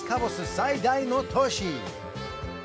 最大の都市